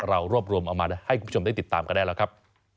เรารวบรวมเอามาให้คุณผู้ชมได้ติดตามกันได้แล้วครับ